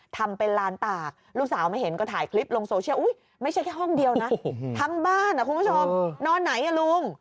ทำเป็นลานตากลูกสาวมาเห็นก็ถ่ายคลิปลงโซเชียลอุ๊ยไม่ใช่แค่ห้องเดียวนะทั้งบ้านนะคุณผู้ชมนอนไหนอ่ะลุง